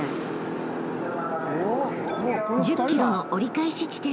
［１０ｋｍの折り返し地点］